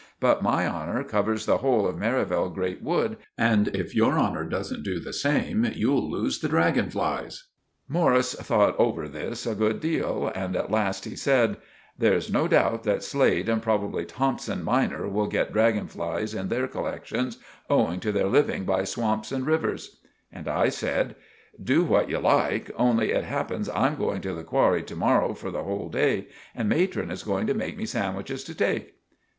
But my honour covers the hole of Merivale Grate Wood, and if your honour doesn't do the same, you'll loose the draggon flies." Morris thought over this a good deal. At last he said— "There's no doubt that Slade and probably Thompson minor will get draggon flies in their collectshuns, owing to their living by swamps and rivers." And I said— "Do what you like, only it happens I'm going to the qwarry to morrow for the hole day, and Matron is going to make me sandwiches to take."